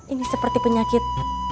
ini seperti penyakit